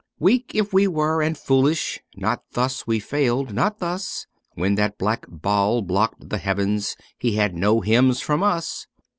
Weak if we were and foolish, not thus we failed, not thus ; When that black Baal blocked the heavens he had no hymns from us.